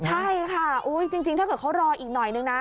ใช่ค่ะจริงถ้าเกิดเขารออีกหน่อยนึงนะ